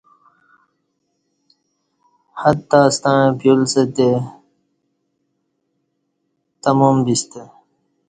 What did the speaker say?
حدتاستݩع پیولستی تمام بیسہ